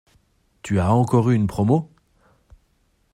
Tu as encore eu une promo?